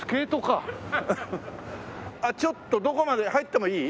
ちょっとどこまで入ってもいい？